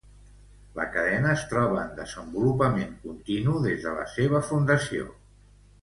La cadena es troba en desenvolupament continu des de la seua fundació.